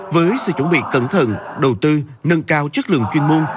với sự chuẩn bị cẩn thận đầu tư nâng cao chất lượng chuyên môn